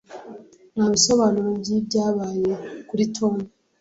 Nta bisobanuro byibyabaye kuri Tom.